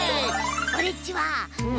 オレっちはわ